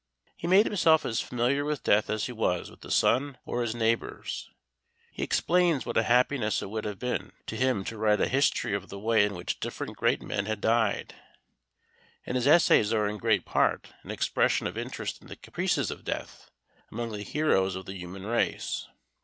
He made himself as familiar with death as he was with the sun or his neighbours. He explains what a happiness it would have been to him to write a history of the way in which different great men had died, and his essays are in great part an expression of interest in the caprices of death among the heroes of the human race.